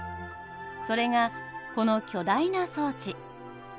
それがこの巨大な装置。